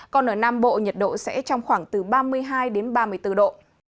còn ở nam bộ nhiệt độ sẽ trong khoảng từ ba mươi hai đến ba mươi bốn độ